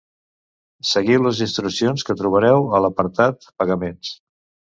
Seguiu les instruccions que trobareu a l'apartat "Pagaments".